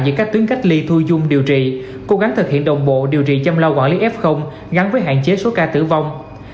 giữa các tuyến cách ly thu dung điều trị cố gắng thực hiện đồng bộ điều trị chăm lo quản lý f gắn với hạn chế số ca tử vong